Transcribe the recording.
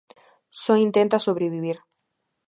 Só intenta sobrevivir.